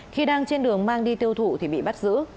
khi đang trên đường mang đi tiêu thụ thì bị bắt giữ